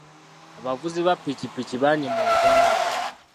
Abavuzi ba ppikippiki bangi mu Uganda.